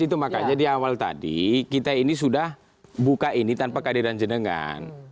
itu makanya di awal tadi kita ini sudah buka ini tanpa kehadiran jenengan